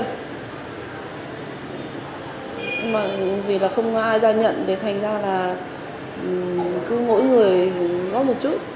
nhưng mà vì là không có ai ra nhận thì thành ra là cứ mỗi người có một chút